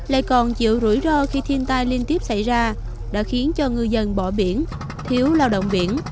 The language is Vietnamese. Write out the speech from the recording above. lại còn chịu rủi ro khi thiên tai liên tiếp xảy ra đã khiến cho ngư dân bỏ biển thiếu lao động biển